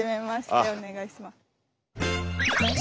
お願いします。